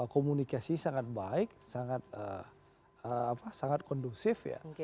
komunikasi sangat baik sangat kondusif ya